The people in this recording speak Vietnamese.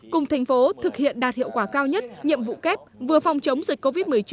cùng thành phố thực hiện đạt hiệu quả cao nhất nhiệm vụ kép vừa phòng chống dịch covid một mươi chín